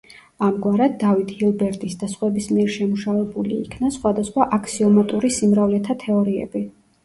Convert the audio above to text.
ამგვარად დავიდ ჰილბერტის და სხვების მიერ შემუშავებული იქნა სხვადასხვა აქსიომატური სიმრავლეთა თეორიები.